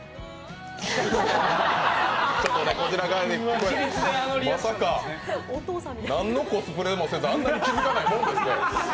ちょっとね、こちら側に声がまさか、何のコスプレもせず、あんなに気づかないとは。